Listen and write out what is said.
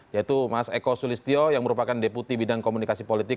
yaitu mas eko sulistyo yang merupakan deputi bidang komunikasi politik